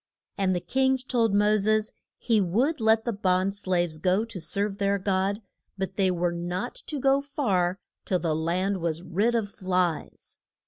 And the king told Mo ses he would let the bond slaves go to serve their God, but they were not to go far till the land was rid of flies.